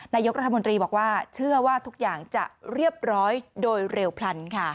นายกรัฐมนตรีบอกว่าเชื่อว่าทุกอย่างจะเรียบร้อยโดยเร็วพลันค่ะ